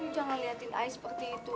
jangan liatin ayah seperti itu